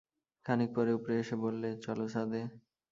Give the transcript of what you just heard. খানিক পরে উপরে এসে বললে, চলো ছাদে।